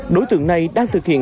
đối tượng này đang thực hiện